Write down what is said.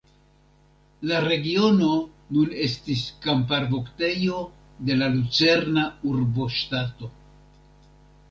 La regiono nun estis kamparvoktejo de la lucerna urboŝtato.